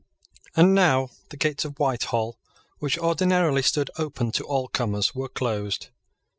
And now the gates of Whitehall, which ordinarily stood open to all comers, were closed.